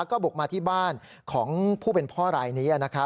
ก็บุกมาที่บ้านของผู้เป็นพ่อรายนี้